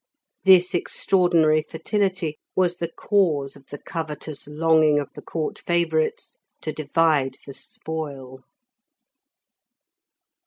This extraordinary fertility was the cause of the covetous longing of the Court favourites to divide the spoil.